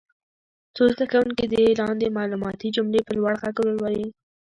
څو زده کوونکي دې لاندې معلوماتي جملې په لوړ غږ ولولي.